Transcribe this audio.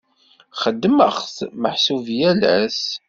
Xeddmeɣ-t meḥsub yal ass.